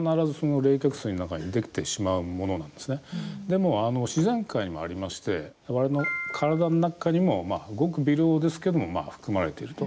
でも自然界にもありまして我々の体の中にもごく微量ですけども含まれていると。